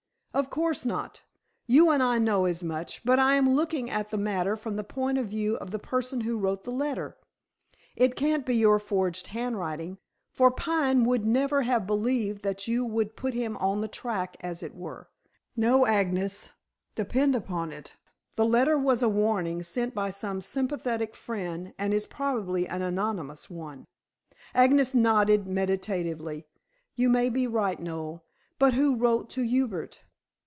"Of course not. You and I know as much, but I am looking at the matter from the point of view of the person who wrote the letter. It can't be your forged handwriting, for Pine would never have believed that you would put him on the track as it were. No, Agnes. Depend upon it, the letter was a warning sent by some sympathetic friend, and is probably an anonymous one." Agnes nodded meditatively. "You may be right, Noel. But who wrote to Hubert?"